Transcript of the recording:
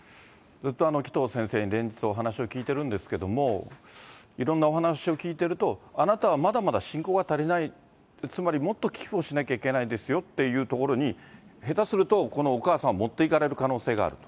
ずっと紀藤先生に連日、お話を聞いているんですけれども、いろんなお話を聞いていると、あなたはまだまだ信仰が足りない、つまりもっと寄付をしないといけないですよというところに、下手すると、このお母さん持っていかれる可能性がある？